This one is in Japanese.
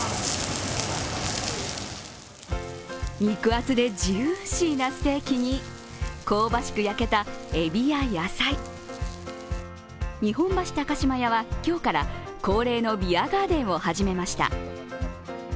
肉厚でジューシーなステーキに香ばしく焼けた、えびや野菜日本橋高島屋は今日から恒例のビアガーデンを始めました。